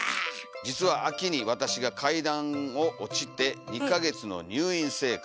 「実は秋に私が階段を落ちて二ヶ月の入院生活」。